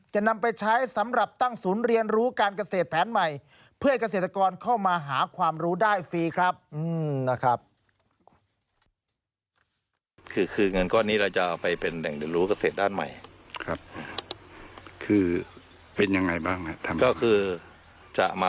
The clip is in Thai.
จะนำไปใช้สำหรับตั้งศูนย์เรียนรู้การเกษตรแผนใหม่